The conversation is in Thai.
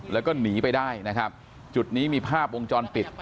แล้วก็หนีไปได้นะครับจุดนี้มีภาพวงจรปิด